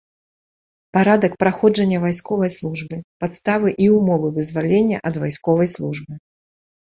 Парадак праходжання вайсковай службы, падставы і ўмовы вызвалення ад вайсковай службы.